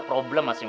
masih ada duitnya